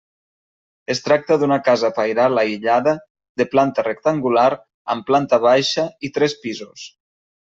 Es tracta d'una casa pairal aïllada de planta rectangular amb planta baixa i tres pisos.